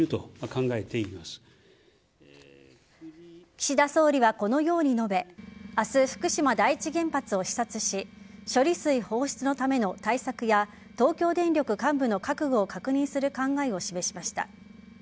岸田総理はこのように述べ明日、福島第一原発を視察し処理水放出のための対策や東京電力幹部の覚悟を確認する考えを示しました。